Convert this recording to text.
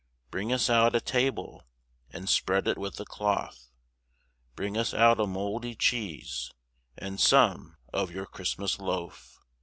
Bring us out a table And spread it with a cloth; Bring us out a mouldy cheese And some of your Christmas loaf.